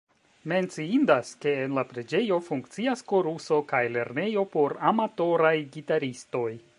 Menciindas, ke en la preĝejo funkcias koruso kaj lernejo por amatoraj gitaristoj.